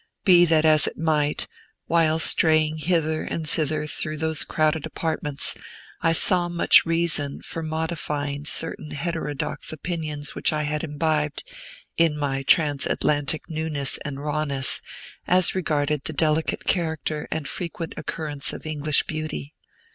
Be that as it might, while straying hither and thither through those crowded apartments, I saw much reason for modifying certain heterodox opinions which I had imbibed, in my Transatlantic newness and rawness, as regarded the delicate character and frequent occurrence of English beauty.